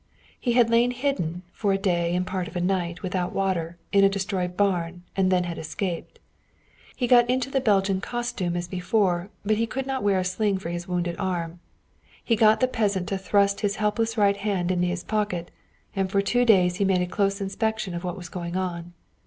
He had lain hidden, for a day and part of a night, without water, in a destroyed barn, and then had escaped. He got into the Belgian costume as before, but he could not wear a sling for his wounded arm. He got the peasant to thrust his helpless right hand into his pocket, and for two days he made a close inspection of what was going on.